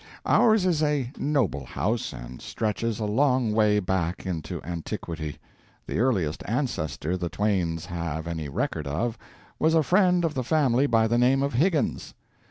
Ours is a noble house, and stretches a long way back into antiquity. The earliest ancestor the Twains have any record of was a friend of the family by the name of Higgins.